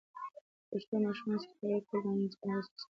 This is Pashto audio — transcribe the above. په پښتو د ماشومانو سره خبرې کول، د انزوا احساس کموي.